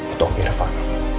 itu om irfan